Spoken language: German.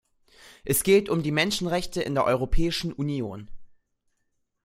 Es geht um die Menschenrechte in der Europäischen Union.